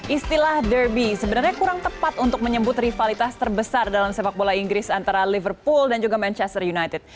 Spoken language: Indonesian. istilah derby sebenarnya kurang tepat untuk menyebut rivalitas terbesar dalam sepak bola inggris antara liverpool dan juga manchester united